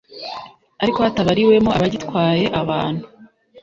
ariko hatabariwemo abagitwaye abantu